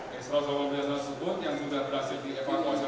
satu ratus delapan belas jenazah tersebut yang sudah berhasil dievakuasi oleh tim sart